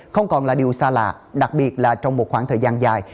không còn là điều xa lạ đặc biệt là trong một khoảng thời gian dài